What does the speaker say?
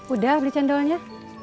udah beli cendolnya